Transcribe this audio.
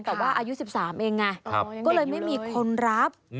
แต่ว่าอายุ๑๓เองไงก็เลยไม่มีคนรับ